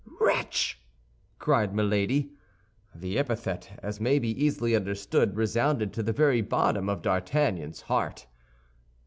"Wretch!" cried Milady. The epithet, as may be easily understood, resounded to the very bottom of D'Artagnan's heart.